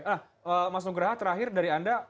nah mas nugraha terakhir dari anda